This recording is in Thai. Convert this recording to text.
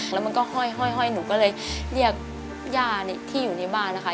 แล้วมันก็ห้อยหนูก็เลยเรียกย่าที่อยู่ในบ้านนะคะ